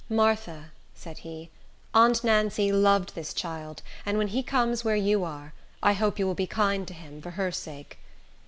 "Martha," said he, "aunt Nancy loved this child, and when he comes where you are, I hope you will be kind to him, for her sake."